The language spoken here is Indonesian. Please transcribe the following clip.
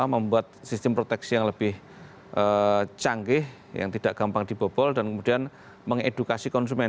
membuat sistem proteksi yang lebih canggih yang tidak gampang dibobol dan kemudian mengedukasi konsumen